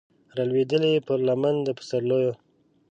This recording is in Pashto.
رالویدلې پر لمن د پسرلیو